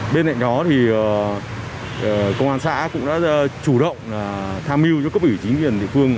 bên cạnh đó thì công an xã cũng đã chủ động tham mưu cho cấp ủy chính quyền địa phương